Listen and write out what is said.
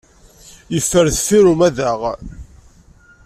Yeffer deffir umadaɣ.